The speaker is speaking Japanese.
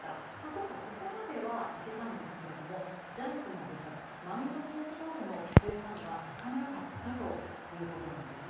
今回、ここまでは行けたんですけれどもジャンプの部分マインドコントロールの規制までは行かなかったということです。